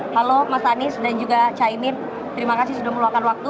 halo mas anies dan juga caimin terima kasih sudah meluangkan waktu